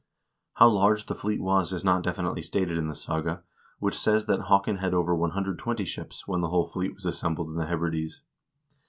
How large the fleet was is not definitely stated in the saga, which says that "Haakon had over 120 ships" when the whole fleet was assembled in the Hebrides.